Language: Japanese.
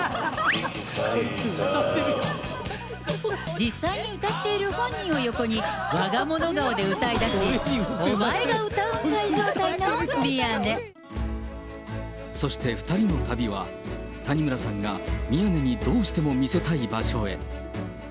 実際に歌っている本人を横に、わが物顔で歌い出し、そして２人の旅は、谷村さんが宮根にどうしても見せたい場所へ。